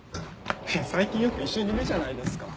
いや最近よく一緒にいるじゃないですか。